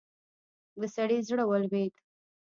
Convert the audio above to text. د سړي زړه ولوېد.